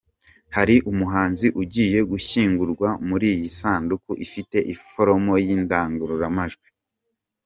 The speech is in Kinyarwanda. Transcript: Hari umuhanzi ugiye gushyingurwa muri iyi sanduku ifite iforoma y'indangururamajwi.